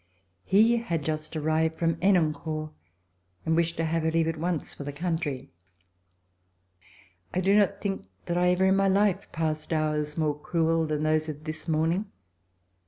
He had just arrived from Henencourt and wished to have her leave at once for the country. I do not think that I ever in my life passed hours more cruel than those of this morning.